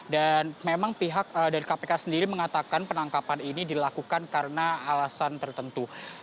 dan memang pihak dari kpk sendiri mengatakan penangkapan ini dilakukan karena alasan tertentu